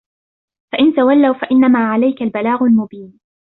فَإِنْ تَوَلَّوْا فَإِنَّمَا عَلَيْكَ الْبَلَاغُ الْمُبِينُ